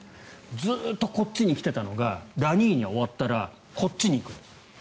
ずっとこっちに来てたのがラニーニャが終わったらこっちにいく。